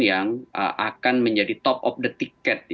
yang akan menjadi top of the ticket